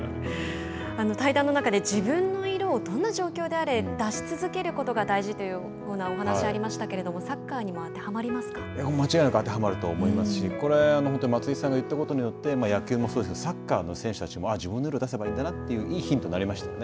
対談の中で自分の色をどんな状況であれ出し続けることが大事というふうなお話がありましたけど、サッカ間違いなく当てはまると思いますし、これは本当に松井さんが言ったことによって野球もそうですが、サッカーの選手たちもああ自分の色を出せばいいんだなといいヒントになりましたよね。